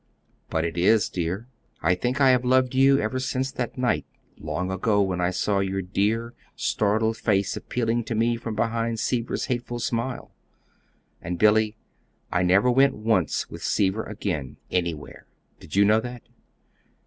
"But it is, dear. I think I have loved you ever since that night long ago when I saw your dear, startled face appealing to me from beyond Seaver's hateful smile. And, Billy, I never went once with Seaver again anywhere. Did you know that?"